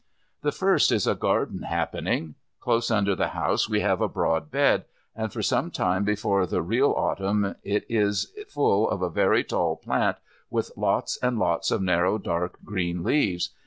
The first is a garden happening. Close under the house we have a broad bed, and for some time before the real Autumn it is full of a very tall plant with lots and lots of narrow dark green leaves.